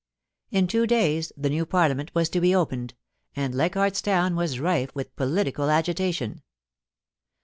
In two days the new Parliament was to be opened, and Leichardt's Town was rife with political agitation.